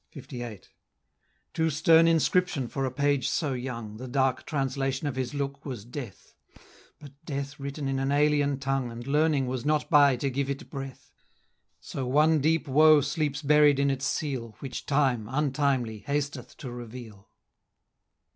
LVIII. Too stern inscription for a page so young, The dark translation of his look was death! But death was written in an alien tongue, And learning was not by to give it breath; So one deep woe sleeps buried in its seal, Which Time, untimely, hasteth to reveal.